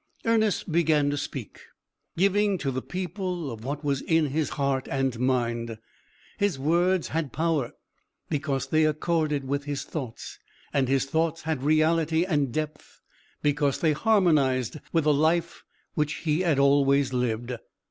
Ernest began to speak, giving to the people of what was in his heart and mind. His words had power, because they accorded with his thoughts; and his thoughts had reality and depth, because they harmonised with the life which he had always lived.